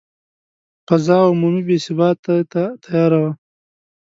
فضا عمومي بې ثباتي ته تیاره وه.